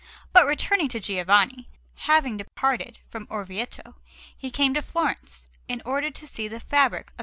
But returning to Giovanni; having departed from Orvieto, he came to Florence, in order to see the fabric of S.